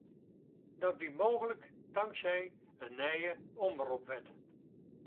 Dat wie mooglik tanksij in nije omropwet.